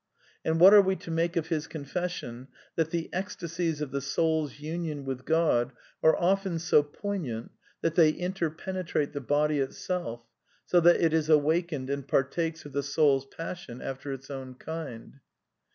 ^® And what are we to make of his confession that the ecsta sies of the soul's union with God are often so poignant that they interpenetrate the body itself, so that it is awakened and partakes of the soul's passion after its own kind